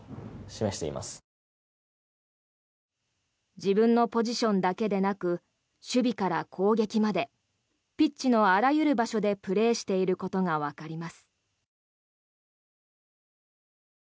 自分のポジションだけでなく守備から攻撃までピッチのあらゆる場所でプレーしていることがわかります。